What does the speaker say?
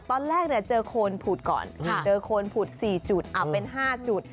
ตอนแรกเจอโคนผูดก่อนเจอโคนผูด๔จุดเป็น๕จุด